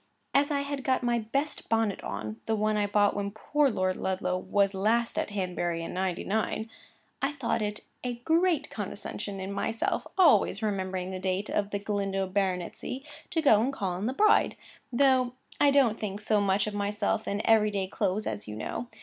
As I had got my best bonnet on, the one I bought when poor Lord Ludlow was last at Hanbury in '99—I thought it a great condescension in myself (always remembering the date of the Galindo baronetcy) to go and call on the bride; though I don't think so much of myself in my every day clothes, as you know.